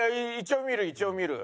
一応見る。